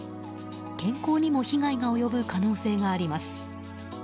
健康にも被害が及ぶ可能性があります。